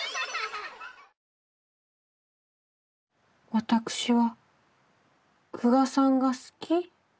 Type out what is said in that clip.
私は久我さんが好き。